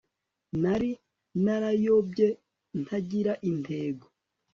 nari narayobye ntagira intego